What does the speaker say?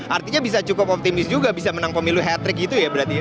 artinya bisa cukup optimis juga bisa menang pemilu hat trick gitu ya berarti ya